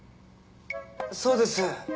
そうです。